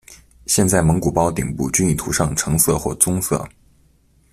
现在蒙古包顶部均已涂上橙色或棕色。